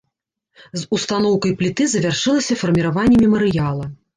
З устаноўкай пліты завяршылася фарміраванне мемарыяла.